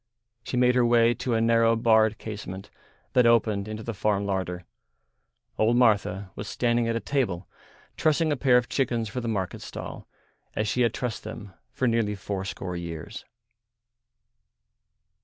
She made her way to a narrow barred casement that opened into the farm larder. Old Martha was standing at a table trussing a pair of chickens for the market stall as she had trussed them for nearly fourscore years.